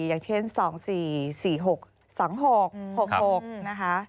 อย่างเช่นสองสี่สี่หกสองหกหกหกนะคะ